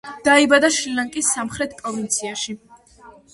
დაიბადა შრი-ლანკის სამხრეთ პროვინციაში.